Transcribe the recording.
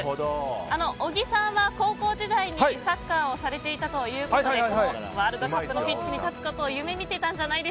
小木さんは高校時代にサッカーをされていたということでワールドカップのピッチに立つことをなるほど。